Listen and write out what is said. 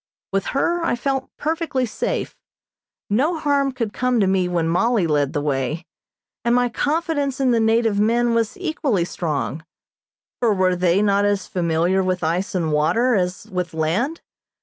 With her I felt perfectly safe. No harm could come to me when Mollie led the way, and my confidence in the native men was equally strong; for were they not as familiar with ice and water as with land?